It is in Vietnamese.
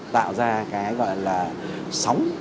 tạo ra cái gọi là sóng